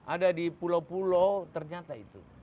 ada di pulau pulau ternyata itu